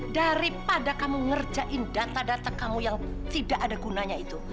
daripada kamu ngerjain data data kamu yang tidak ada gunanya itu